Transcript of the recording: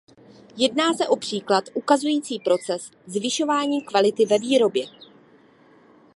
Jedná se o příklad ukazující proces zvyšování kvality ve výrobě.